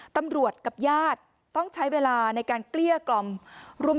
ตำรวจกับญาติต้องใช้เวลาในการเกลี้ยกล่อม